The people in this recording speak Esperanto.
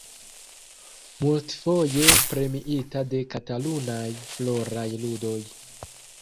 Multfoje premiita de Katalunaj Floraj Ludoj.